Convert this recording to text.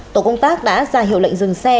tổ công tác đã ra hiệu lệnh dừng xe